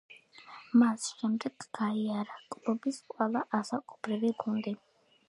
მას შემდეგ გაიარა კლუბის ყველა ასაკობრივი გუნდი.